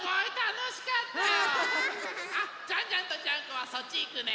あジャンジャンとジャンコはそっちいくね！